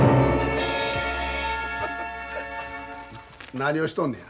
何をしとんのや。